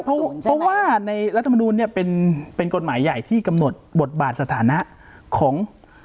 เพราะว่าในรัฐมนูลเนี่ยเป็นกฎหมายใหญ่ที่กำหนดบทบาทสถานะของ